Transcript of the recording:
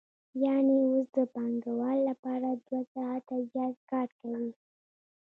یانې اوس د پانګوال لپاره دوه ساعته زیات کار کوي